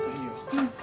うん。